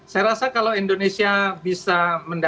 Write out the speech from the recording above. saya rasa kalau indonesia bisa mendapatkan